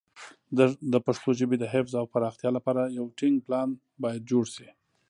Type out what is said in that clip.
د پښتو ژبې د حفظ او پراختیا لپاره یو ټینګ پلان باید جوړ شي.